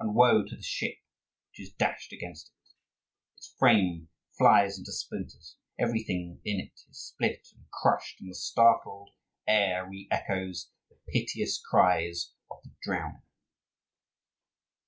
And woe to the ship which is dashed against it! Its frame flies into splinters, everything in it is split and crushed, and the startled air re echoes the piteous cries of the drowning.